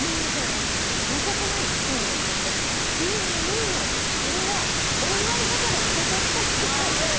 私申し訳ないっていうことを言ったら「いいのいいのこれはお祝いだから受け取って」って。